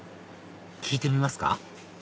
聞いてみますか？